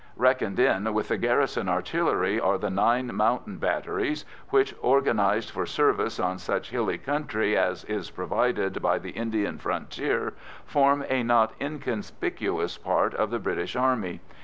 Reckoned in with the Garrison Artillery are the nine Mountain Batteries, which, organised for service on such hilly country as is provided by the Indian frontier, form a not inconspicuous part of the British Army.